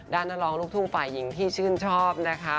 นักร้องลูกทุ่งฝ่ายหญิงที่ชื่นชอบนะคะ